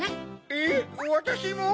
えっわたしも？